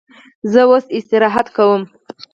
زه اوس استراحت کوم.